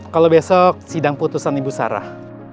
kalau besok sidang putusan ibu sarah